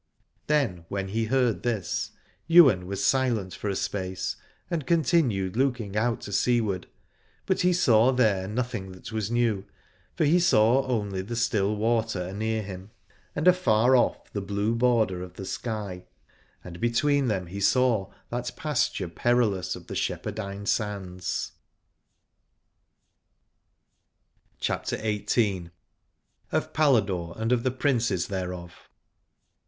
Then, when he heard this, Ywain was silent for a space, and continued looking out to seaward : but he saw there nothing that was new, for he saw only the still water anear him, and afar oif the blue border of the sky; and between them he saw that pasture perilous of the Shepherdine Sands. io8 CHAPTER XVIII. OF PALADORE AND OF THE PRINCES THEREOF.